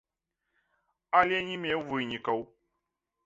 Але не меў вынікаў.